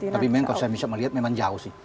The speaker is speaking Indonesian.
tapi memang kalau saya bisa melihat memang jauh sih